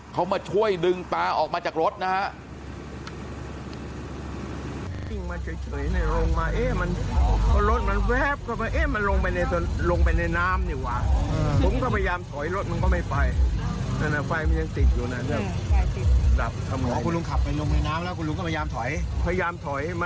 เขามาช่วยดึงปลาออกมาจากรถนะฮะ